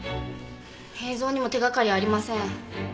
映像にも手掛かりありません。